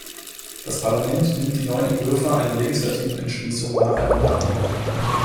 Das Parlament nimmt die neun Entwürfe einer legislativen Entschließung nacheinander an.